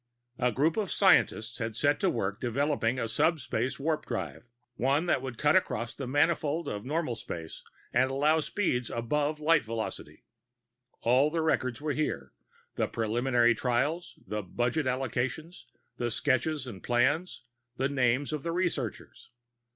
A group of scientists had set to work developing a subspace warp drive, one that would cut across the manifold of normal space and allow speeds above light velocity. All the records were here: the preliminary trials, the budget allocations, the sketches and plans, the names of the researchers.